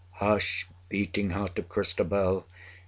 Hush, beating heart of Christabel!